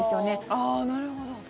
ああ、なるほど。